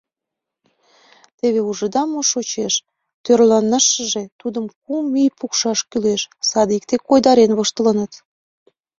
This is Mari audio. Теве ужыда, мо шочеш!» — «Тӧрланашыже тудым кум ий пукшаш кӱлеш!» — садикте койдарен воштылыныт.